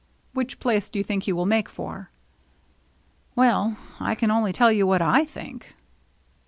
" Which place do you think he will make for?" " Well — I can only tell you what I think."